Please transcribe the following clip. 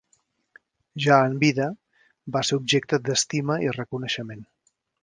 Ja en vida, va ser objecte d'estima i reconeixement.